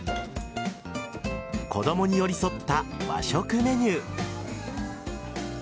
子供に寄り添った和食メニュー。